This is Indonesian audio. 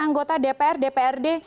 anggota dpr dprd